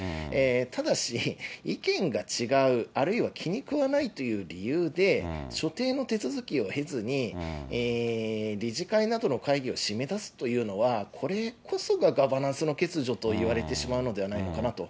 ただし、意見が違う、あるいは気にくわないという理由で、所定の手続きを経ずに、理事会などの会議を締め出すというのは、これこそがガバナンスの欠如といわれてしまうのではないのかなと。